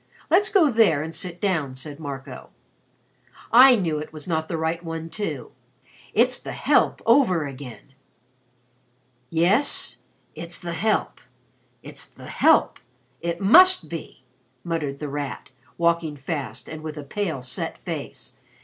Let's go there and sit down," said Marco. "I knew it was not the right one, too. It's the Help over again." "Yes, it's the Help it's the Help it must be," muttered The Rat, walking fast and with a pale, set face.